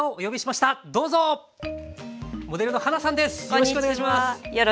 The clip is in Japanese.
よろしくお願いします。